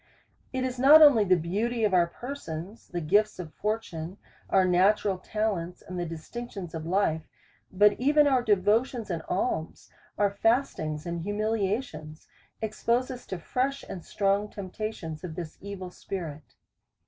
It is not only the beauty of our persons, the gifts of fortune, or our natural talents, and the distinctions of life ; but even our devotions and alms, our fastings and humiliations, expose us to fresh and ^strong temp tations of this evil spirit.